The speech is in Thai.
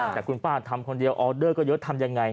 แต่คุณป้าทำคนเดียวออเดอร์ก็เยอะทำยังไง